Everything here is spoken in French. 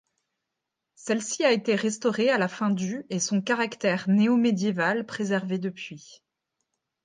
Celle-ci a été restaurée à la fin du et son caractère néo-médiéval préservé depuis.